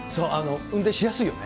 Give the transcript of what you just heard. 運転しやすいよね。